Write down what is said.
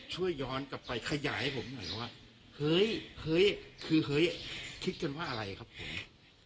ช่วยย้อนกลับไปขยายให้ผมหน่อยว่าเฮ้ยเฮ้ยคือเฮ้ยคิดกันว่าอะไรครับผม